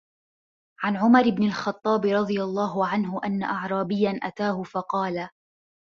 عَنْ عُمَرَ بْنِ الْخَطَّابِ رَضِيَ اللَّهُ عَنْهُ أَنَّ أَعْرَابِيًّا أَتَاهُ فَقَالَ